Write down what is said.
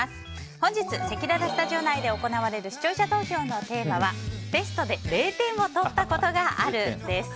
本日、せきららスタジオ内で行われる視聴者投票のテーマはテストで０点を取ったことがあるです。